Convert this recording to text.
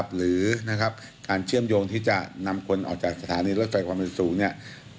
หรือการเชื่อมโยงที่จะนำคนออกจากสถานีรถไฟความเร็วสูงเนี่ย